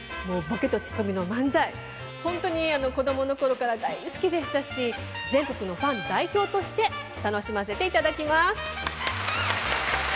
もうボケとツッコミの漫才ほんとに子供の頃から大好きでしたし全国のファン代表として楽しませて頂きます。